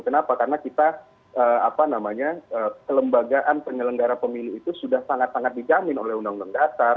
kenapa karena kita kelembagaan penyelenggara pemilu itu sudah sangat sangat dijamin oleh undang undang dasar